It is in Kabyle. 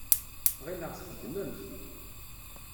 Ɣileɣ txeddmemt.